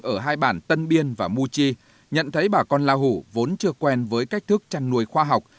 ở hai bản tân biên và mu chi nhận thấy bà con la hủ vốn chưa quen với cách thức chăn nuôi khoa học